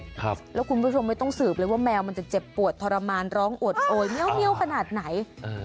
จุดนี้คุณผู้ชมไม่ต้องสืบว่าแมวจะเจ็บปวดต่อร้องร้องทรมานร้องโหดโอ้ยเมี่ยวขนาดไหน